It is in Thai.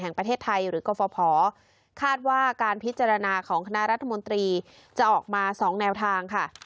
แห่งประเทศไทยหรือกรฟภคาดว่าการพิจารณาของคณะรัฐมนตรีจะออกมา๒แนวทางค่ะ